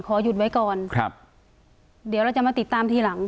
ขอหยุดไว้ก่อนครับเดี๋ยวเราจะมาติดตามทีหลัง